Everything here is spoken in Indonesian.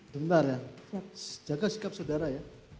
benar ya jaga sikap saudara ya